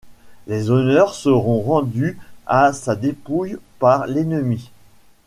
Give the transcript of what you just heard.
Les honneurs seront rendus à sa dépouille par l'ennemi.